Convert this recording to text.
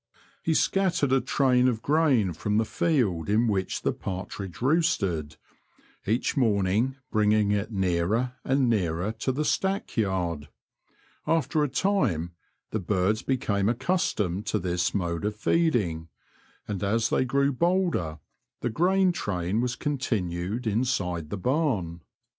He scattered a train of grain from the field in which the partridge roosted, each morning bringing it nearer and nearer to the stack yard. After a time the birds became aceustomed to this mode of feeding, and as they grew bolder the grain train was continued inside the barn.